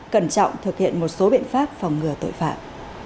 cẩn trọng thực hiện một số biện pháp phòng ngừa tội phạm